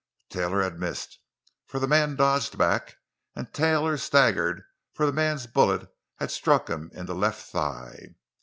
Taylor had missed, for the man dodged back, and Taylor staggered, for the man's bullet had struck him in the left thigh.